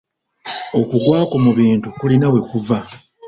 Okugwakwo mu bintu kulina wekuva.